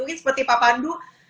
mungkin seperti pak pandu